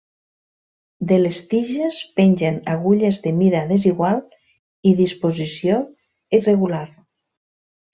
De les tiges pengen agulles de mida desigual i disposició irregular.